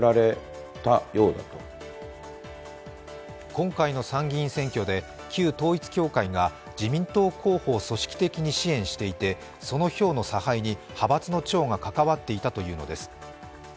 今回の参議院選挙で旧統一教会が自民党候補を組織的に支援していて、その票の差配に派閥の長が関わっていたというのです。